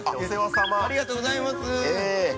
ありがとうございます。